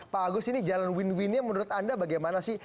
pak agus ini jalan win winnya menurut anda bagaimana sih